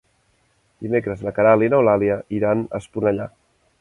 Dimecres na Queralt i n'Eulàlia iran a Esponellà.